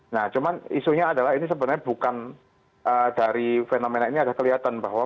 nah cuman isunya adalah ini sebenarnya bukan dari fenomena ini ada kelihatan bahwa